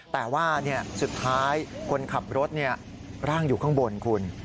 แต่ว่าสุดท้ายคนขับรถร่างอยู่ข้างบนคุณ